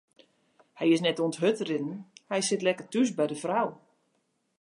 Hy is net oan it hurdrinnen, hy sit lekker thús by de frou.